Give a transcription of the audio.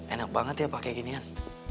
enak banget ya pakai gini kan